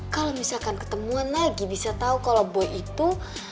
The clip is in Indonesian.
kalau misalkan ketemuan lagi bisa tahu kalau boy itu